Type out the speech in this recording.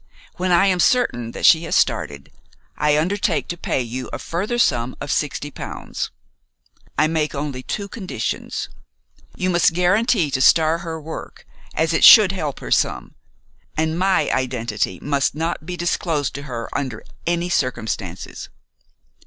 When I am certain that she has started I undertake to pay you a further sum of sixty pounds. I make only two conditions. You must guarantee to star her work, as it should help her some, and my identity must not be disclosed to her under any circumstances.